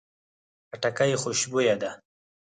خټکی خوشبویه ده.